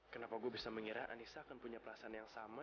kenapa gue bisa mengira anissa akan punya perasaan yang sama